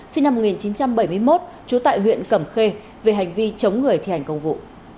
sinh năm một nghìn chín trăm bảy mươi một trú tại huyện cẩm khê về hành vi chống người thi hành công vụ